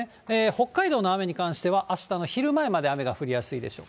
北海道の雨に関しては、あしたの昼前まで雨が降りやすいでしょう。